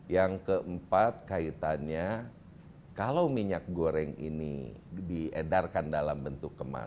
yang keempat kaitannya kalau minyak goreng ini diedarkan dalam bentuk kemasan